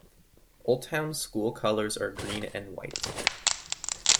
Old Town's school colors are green and white.